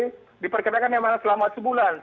jadi diperkirakan memang selama sebulan